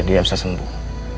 dia harus sembuh